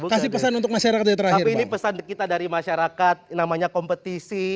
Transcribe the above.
kasih pesan untuk masyarakat tapi ini pesan kita dari masyarakat namanya kompetisi